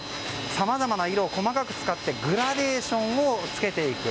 さまざまな色を細かく使ってグラデーションをつけていく。